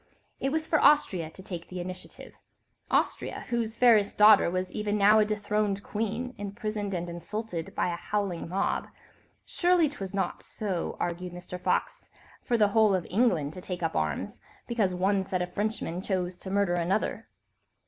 It was for Austria to take the initiative; Austria, whose fairest daughter was even now a dethroned queen, imprisoned and insulted by a howling mob; and surely 'twas not—so argued Mr. Fox—for the whole of England to take up arms, because one set of Frenchmen chose to murder another.